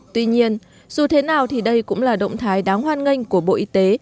tuy nhiên dù thế nào thì đây cũng là động thái đáng hoan nghênh của bộ y tế